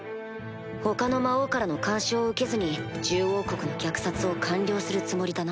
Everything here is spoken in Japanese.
他の魔王からの干渉を受けずに獣王国の虐殺を完了するつもりだな